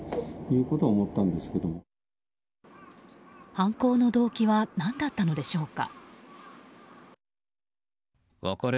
犯行の動機は何だったのでしょうか。